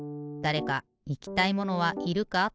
だれかいきたいものはいるか？